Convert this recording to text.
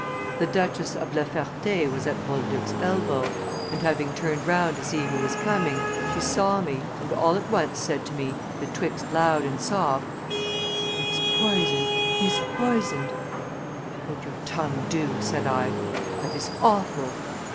The Duchess of la Ferte was at Boulduc's elbow, and, having turned round to see who was coming, she saw me, and all at once said to me, betwixt loud and soft, 'He is poisoned, he is poisoned.' 'Hold your tongue, do,' said I; 'that is awful!